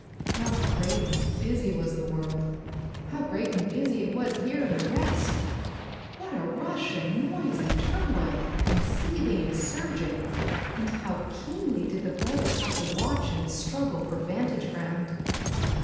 How great and busy was the world, how great and busy it was here in the West! What a rush and noise and turmoil and seething and surging, and how keenly did the brothers have to watch and struggle for vantage ground.